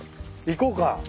行こうか。